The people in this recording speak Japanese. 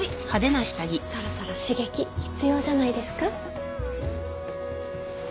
そろそろ刺激必要じゃないですか？